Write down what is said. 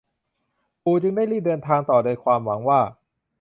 ปู่จึงได้รีบเดินทางต่อโดยความหวังว่า